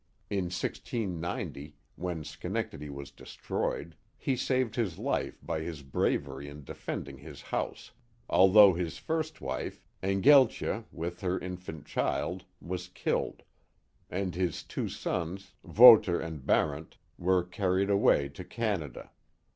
In 1690, when Schenectady was destroyed, he saved his life by his bravery in defending his house, although his first wife, Engeltje, with her infant child, was killed, and his two sons, Wouter and Barent, were carried away to Canada.